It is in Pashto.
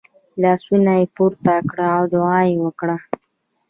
لاسونه یې پورته کړه او دعا یې وکړه .